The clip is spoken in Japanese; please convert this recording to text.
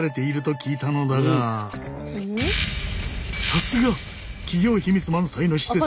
さすが企業秘密満載の施設。